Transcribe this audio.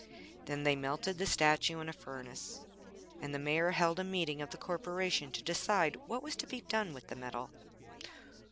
Then they melted the statue in a furnace, and the Mayor held a meeting of the Corporation to decide what was to be done with the metal.